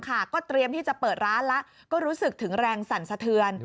ก็เตรียมที่จะเปิดร้านแล้วก็รู้สึกถึงแรงสั่นสะเทือน